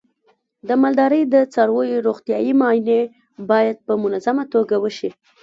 د مالدارۍ د څارویو روغتیايي معاینې باید په منظمه توګه وشي.